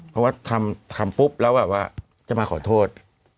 เพราะว่าทำปุ๊บแล้วแบบว่าจะมาขอโทษ